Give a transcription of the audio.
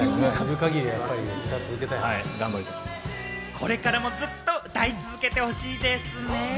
これからもずっと歌い続けてほしいですね。